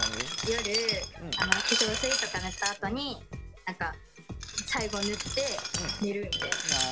夜化粧水とか塗ったあとに最後塗って寝るみたいな。